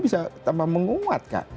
bisa tambah menguatkan